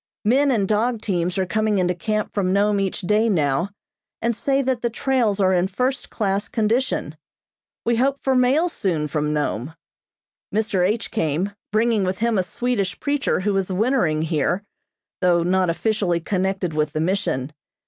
Men and dog teams are coming into camp from Nome each day now, and say that the trails are in first class condition. We hope for mail soon from Nome. Mr. H. came, bringing with him a Swedish preacher who is wintering here, though not officially connected with the Mission.